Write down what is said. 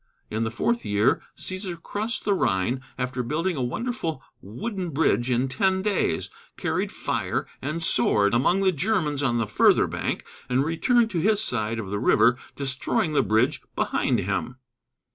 In the fourth year Cæsar crossed the Rhine, after building a wonderful wooden bridge in ten days, carried fire and sword among the Germans on the further bank, and returned to his side of the river, destroying the bridge behind him.